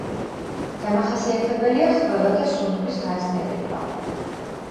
დამახასიათებელია ხველა და სუნთქვის გაძნელება.